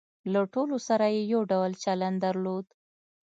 له ټولو سره یې یو ډول چلن درلود.